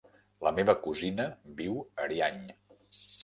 La meva cosina viu a Ariany.